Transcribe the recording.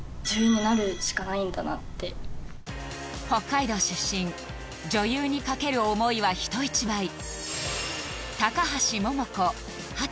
北海道出身、女優にかける思いは人一倍。